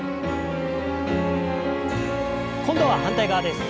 今度は反対側です。